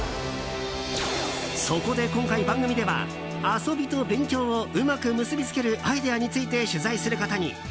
そこで今回、番組では遊びと勉強をうまく結びつけるアイデアについて取材することに。